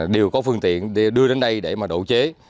đều có phương tiện đưa đến đây để mà độ chế